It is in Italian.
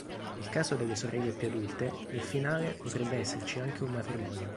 Nel caso delle sorelle più adulte, nel finale potrebbe esserci anche un matrimonio.